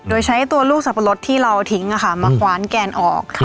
โดยใช้ตัวลูกสับปะรดที่เราทิ้งมาคว้านแกนออก